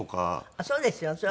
あっそうですよ。